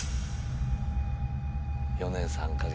４年３カ月。